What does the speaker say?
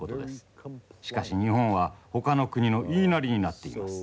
しかし日本はほかの国の言いなりになっています。